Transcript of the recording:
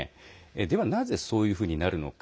ではなぜそういうふうになるのか。